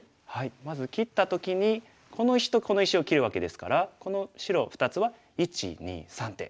まず切った時にこの石とこの石を切るわけですからこの白２つは１２３手。